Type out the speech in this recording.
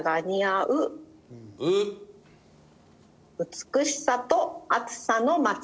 「美しさと暑さの街」。